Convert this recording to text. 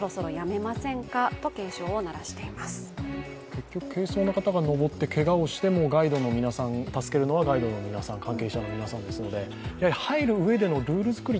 結局軽装の方が登って、けがをしても助けるのはガイドの皆さん関係者の皆さんですので、やはり入るうえでのルールづくり